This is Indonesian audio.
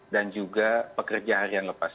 dan juga pekerja harian lepas